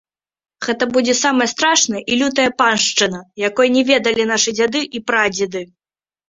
Гэта будзе самая страшная і лютая паншчына, якой не ведалі нашы дзяды і прадзеды.